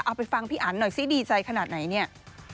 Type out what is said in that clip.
เอาไปฟังพี่อันหน่อยซิดีใจขนาดไหนเนี่ย